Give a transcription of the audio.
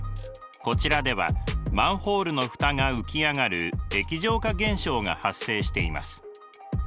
こちらではマンホールのふたが浮き上がる液状化現象が発生しています。